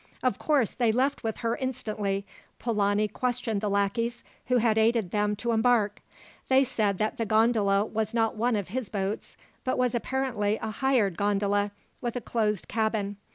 "Of course, they left with her instantly. Polani questioned the lackeys, who had aided them to embark. They said that the gondola was not one of his boats, but was apparently a hired gondola, with a closed cabin.